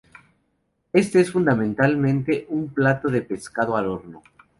Este es fundamentalmente un plato de pescado al horno.